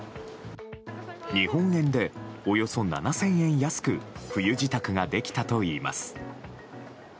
日本円でおよそ７０００円安く冬支度ができたといいます。